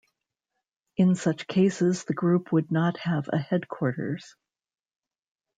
In such cases the group would not have a headquarters.